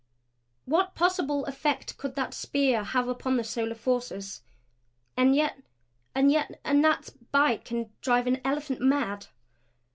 What possible effect could that spear have upon the solar forces? And yet and yet a gnat's bite can drive an elephant mad.